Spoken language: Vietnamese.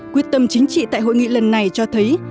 quyết tâm chính trị tại hội nghị lần này cho thấy